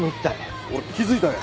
俺気付いたんや。